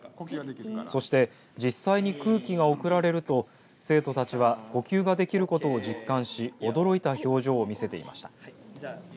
そして実際に空気が送られると生徒たちは呼吸ができることを実感し驚いた表情を見せていました。